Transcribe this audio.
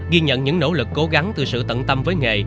ghi nhận những nỗ lực cố gắng từ sự tận tâm với nghề